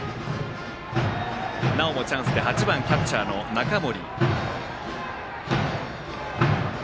なおもチャンスで８番キャッチャーの中森。